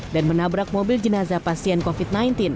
dan menabrak mobil jenazah pasien covid sembilan belas